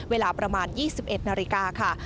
เวลาประมาณ๒๑นาฬิกาค่ะ